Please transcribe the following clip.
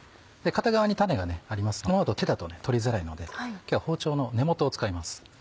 片側に種がありますのでこのまま手だと取りづらいので今日は包丁の根元を使います。